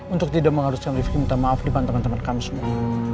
untuk tidak mengharuskan rifki minta maaf di depan teman teman kami semua